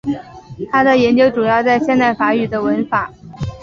他的研究主要在现代法语的文法。